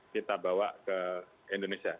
kita bawa ke indonesia